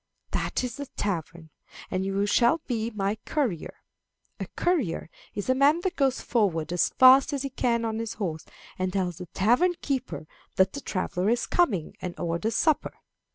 That is the tavern, and you shall be my courier. A courier is a man that goes forward as fast as he can on his horse, and tells the tavern keeper that the traveller is coming, and orders supper.